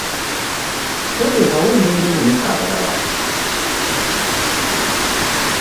Toteekawo mbeera elemesa abalala.